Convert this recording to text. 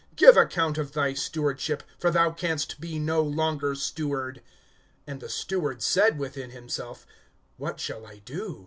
Give account of thy stewardship; for thou canst be no longer steward. (3)And the steward said within himself: What shall I do?